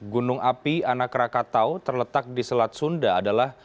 gunung api anak rakatau terletak di selat sunda adalah